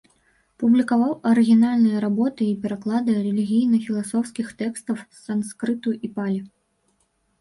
Публікаваў арыгінальныя работы і пераклады рэлігійна-філасофскіх тэкстаў з санскрыту і палі.